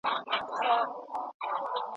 د کلمو ځواک درک کړئ